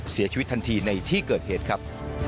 เสียชีวิตทันทีในที่เกิดเหตุครับ